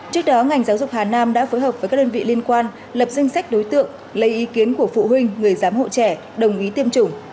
trước đó ngành giáo dục hà nam đã phối hợp với các đơn vị liên quan lập danh sách đối tượng lấy ý kiến của phụ huynh người giám hộ trẻ đồng ý tiêm chủng